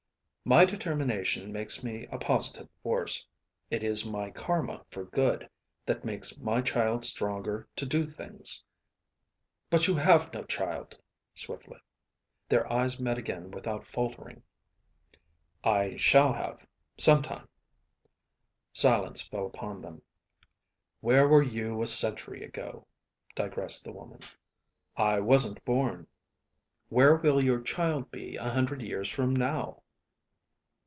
"My determination makes me a positive force. It is my Karma for good, that makes my child stronger to do things." "But you have no child," swiftly. Their eyes met again without faltering. "I shall have sometime." Silence fell upon them. "Where were you a century ago?" digressed the woman. "I wasn't born." "Where will your child be a hundred years from now?"